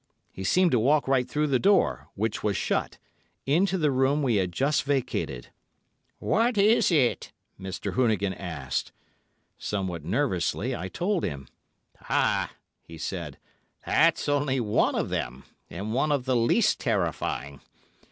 He seemed to walk right through the door, which was shut, into the room we had just vacated. 'What is it?' Mr. Hoonigan asked. Somewhat nervously, I told him. 'Ah,' he said, 'that's only one of them, and one of the least terrifying.